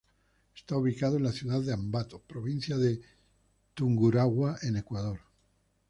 Está ubicado en la ciudad de Ambato, provincia de Tungurahua, en Ecuador.